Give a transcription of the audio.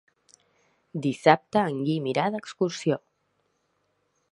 Dissabte en Guim irà d'excursió.